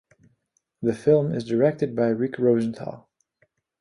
The film is directed by Rick Rosenthal.